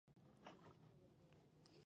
پولي واحد باید څنګه ثبات ولري؟